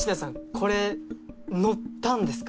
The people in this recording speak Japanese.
これ乗ったんですか？